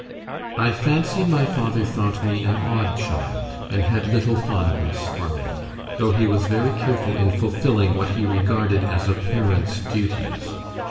I fancy my father thought me an odd child, and had little fondness for me; though he was very careful in fulfilling what he regarded as a parent's duties.